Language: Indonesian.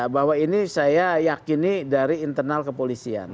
bahwa ini saya yakini dari internal kepolisian